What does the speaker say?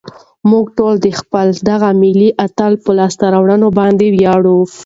موږ ټول د خپل دغه ملي اتل په لاسته راوړنو باندې ویاړو.